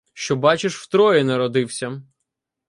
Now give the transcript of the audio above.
Що, бачиш, в Трої народився